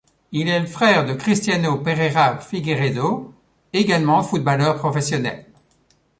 Il est le frère de Cristiano Pereira Figueiredo, également footballeur professionnel.